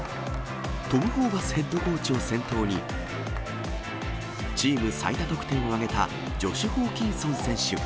トム・ホーバスヘッドコーチを先頭に、チーム最多得点を挙げたジョシュ・ホーキンソン選手。